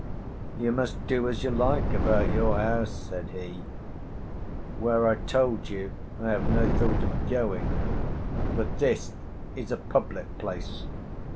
"You must do as you like about your house," said he, "where I told you I have no thought of going; but this is a public place."